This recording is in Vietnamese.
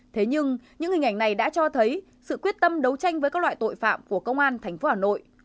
thế nhưng những hình ảnh này đã cho thấy sự quyết tâm đấu tranh với các loại tội phạm của công an tp hà nội